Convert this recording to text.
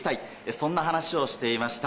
そんな話をしていました。